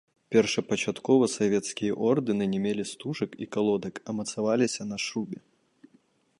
Першапачаткова савецкія ордэны не мелі стужак і калодак, а мацаваліся на шрубе.